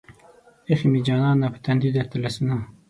ايښې مې جانانه پۀ تندي درته لاسونه